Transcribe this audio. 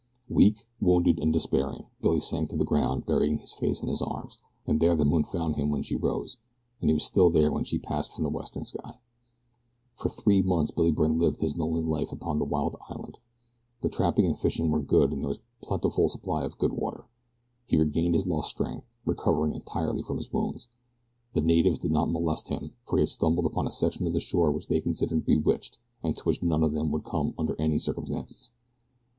Weak, wounded, and despairing, Billy sank to the ground, burying his face in his arms, and there the moon found him when she rose, and he was still there when she passed from the western sky. For three months Billy Byrne lived his lonely life upon the wild island. The trapping and fishing were good and there was a plentiful supply of good water. He regained his lost strength, recovering entirely from his wounds. The natives did not molest him, for he had stumbled upon a section of the shore which they considered bewitched and to which none of them would come under any circumstances.